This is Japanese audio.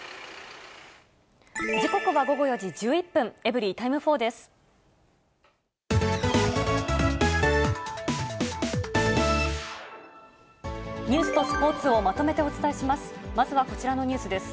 時刻は午後４時１１分、エブリィタイム４です。